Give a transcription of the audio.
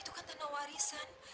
itu kan tanah warisan